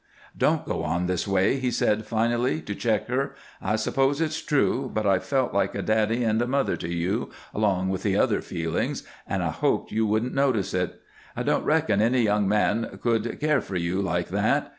"Don't go on this way," he said, finally, to check her. "I suppose it's true, but I've felt like a daddy and a mother to you, along with the other feeling, and I hoped you wouldn't notice it. I don't reckon any young man could care for you like that.